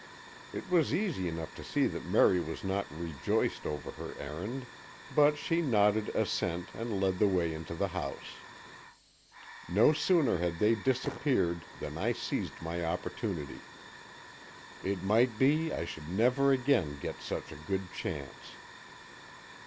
It was easy enough to see that Merry was not rejoiced over her errand, but she nodded assent and led the way into the house. No sooner had they disappeared than I seized my opportunity. It might be I should never again get such a good chance.